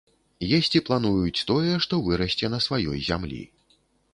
Есці плануюць тое, што вырасце на сваёй зямлі.